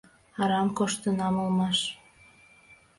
Арам коштынам улмаш.